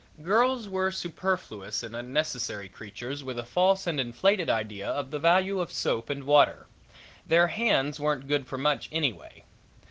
Girls were superfluous and unnecessary creatures with a false and inflated idea of the value of soap and water. Their hands weren't good for much anyway.